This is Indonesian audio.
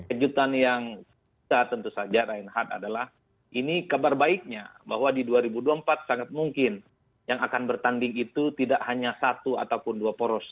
kejutan yang bisa tentu saja reinhardt adalah ini kabar baiknya bahwa di dua ribu dua puluh empat sangat mungkin yang akan bertanding itu tidak hanya satu ataupun dua poros